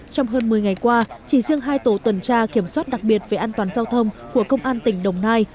trong hơn một mươi ngày qua chỉ riêng hai tổ tuần tra kiểm soát đặc biệt về an toàn giao thông của công an tỉnh đồng nai